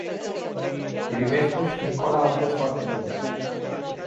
Irimescu și Nicola au fost foarte buni.